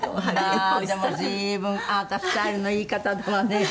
まあでも随分あなたスタイルのいい方だわね。